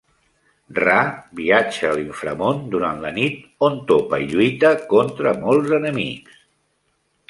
Ra viatja a l'inframón durant la nit on topa i lluita contra molts enemics.